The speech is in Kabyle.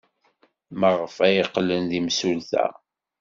Maɣef ay qqlen d imsulta?